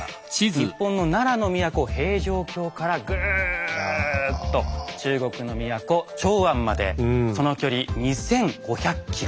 日本の奈良の都平城京からぐぅっと中国の都長安までその距離２，５００ｋｍ。